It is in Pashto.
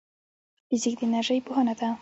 فزیک د انرژۍ پوهنه ده